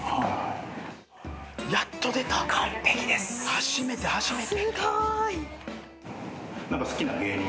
初めて初めて。